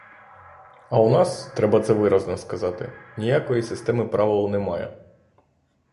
А у нас, треба це виразно сказати, ніякої системи правил немає.